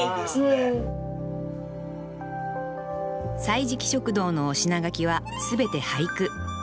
歳時記食堂のお品書きは全て俳句。